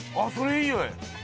いいよね